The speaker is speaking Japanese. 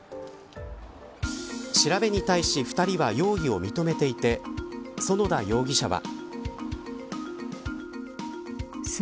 調べに対し２人は容疑を認めていて其田容疑者は。